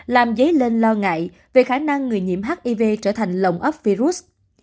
làm giấy lên lo ngại về khả năng người nhiễm hiv trở thành lồng ấp virus